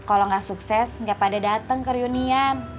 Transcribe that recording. kalau nggak sukses nggak pada datang ke reunian